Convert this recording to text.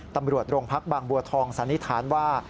ตำรวจโรงพักบางบัวทองสันนิษฐานว่า